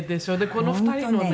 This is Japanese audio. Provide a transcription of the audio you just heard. この２人のね